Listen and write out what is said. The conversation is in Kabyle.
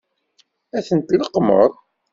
Ad t-tleqqmeḍ?